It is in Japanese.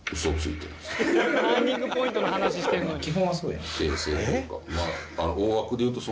「ターニングポイントの話してるのに」なので。